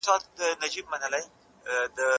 ده د خطرونو مخنيوی لومړيتوب باله.